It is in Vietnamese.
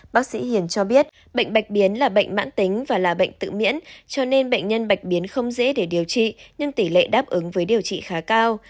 bác sĩ hiền cho biết bệnh bạch biến là bệnh mãn tính và là bệnh tự miễn cho nên bệnh nhân bạch biến không dễ để điều trị nhưng tỷ lệ đáp ứng với điều trị khá cao